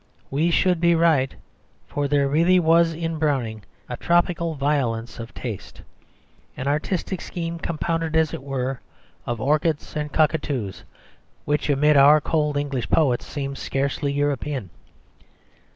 We should be right; for there really was in Browning a tropical violence of taste, an artistic scheme compounded as it were, of orchids and cockatoos, which, amid our cold English poets, seems scarcely European.